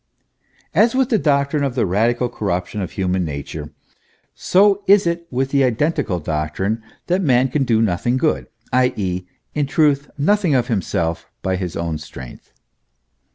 As with the "doctrine of the radical corruption of human na ture, so is it with the identical doctrine, that man can do nothing good, i. e., in truth, nothing of himself by his own strength.